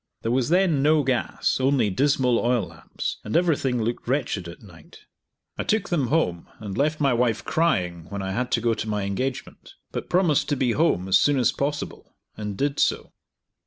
There was then no gas, only dismal oil lamps, and everything looked wretched at night. I took them home, and left my wife crying when I had to go to my engagement, but promised to be home as soon as possible, and did so.